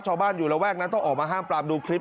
ชาวบ้านอยู่ระแวกนั้นต้องออกมาห้ามปรามดูคลิป